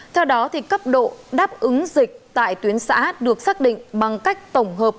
theo đó cấp độ đáp ứng dịch tại tuyến xã được xác định bằng cách tổng hợp